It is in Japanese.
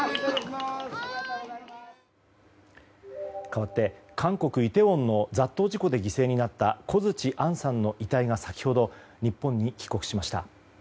かわって韓国イテウォンの雑踏事故で犠牲になった小槌杏さんの遺体が先ほど日本に帰国しました。